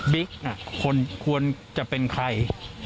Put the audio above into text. บิ๊กอ่ะคนควรจะเป็นใคร